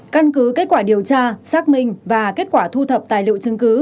căn cứ kết quả điều tra xác minh và kết quả thu thập tài liệu chứng cứ